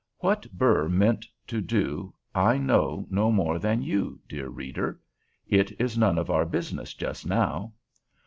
What Burr meant to do I know no more than you, dear reader. It is none of our business just now.